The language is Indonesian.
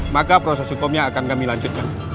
maka proses hukumnya akan kami lanjutkan